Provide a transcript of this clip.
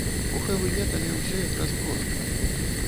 У хэві-метале ўсё як раз проста.